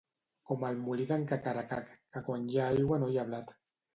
Com el molí d'en Cacaracac, que quan hi ha aigua no hi ha blat.